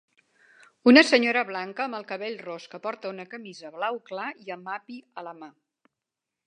Una senyora blanca amb el cabell ros que porta una camisa blau clar i amb api a la mà.